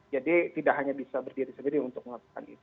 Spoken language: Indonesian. jadi tidak hanya bisa berdiri sendiri untuk melakukan itu